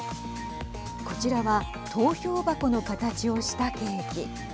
こちらは投票箱の形をしたケーキ。